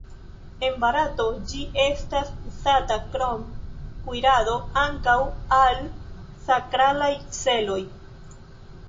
En Barato ĝi estas uzata krom kuirado ankaŭ al sakralaj celoj.